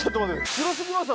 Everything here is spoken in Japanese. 広すぎます！